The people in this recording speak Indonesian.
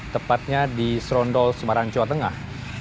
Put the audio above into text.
tepatnya di serondol semarang jawa tengah